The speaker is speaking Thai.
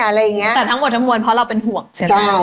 แต่ทั้งหมดทั้งมวลเพราะเราเป็นห่วงใช่ไหม